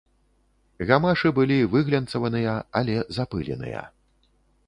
Гамашы былі выглянцаваныя, але запыленыя.